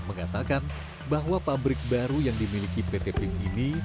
mengatakan bahwa pabrik baru yang dimiliki pt pink ini